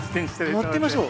やってみましょう。